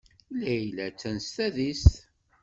Layla attan s tadist.